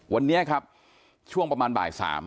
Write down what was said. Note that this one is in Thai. วันนี้ครับช่วงประมาณบ่าย๓